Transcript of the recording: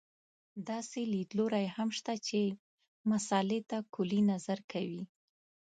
داسې لیدلوري هم شته چې مسألې ته کُلي نظر کوي.